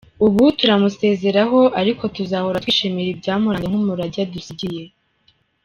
Ubu turamusezeraho ariko tuzahora twishimira ibyamuranze nk’umurage adusigiye”.